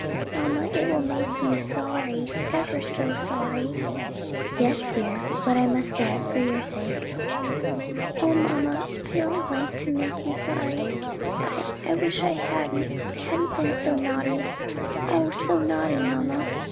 "Mamma, it will make you sorry, ever so sorry." "Yes, dear, but I must bear it for your sake." "O mamma, I don't like to make you sorry I I wish I hadn't, hadn't been naughty, oh so naughty, mamma!